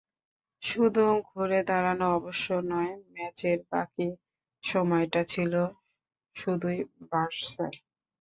শুধু ঘুরে দাঁড়ানো অবশ্য নয়, ম্যাচের বাকি সময়টা ছিল শুধুই বার্সার।